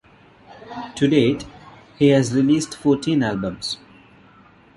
To date, he has released fourteen albums.